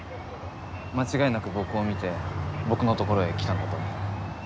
間違いなく僕を見て僕のところへ来たんだと思う。